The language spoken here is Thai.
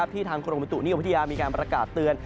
ที่ทางคลมศัตรูนิวพฤธิยามีการประกาศเตือน